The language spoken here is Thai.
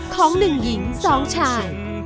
ของหนึ่งหญิงสองชาย